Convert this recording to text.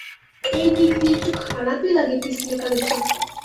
এই দিক দিয়ে একটু খারাপই লাগে পিসমেকারের জন্য।